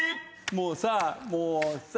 もうさもうさ。